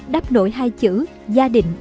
đáp nổi hai chữ gia đình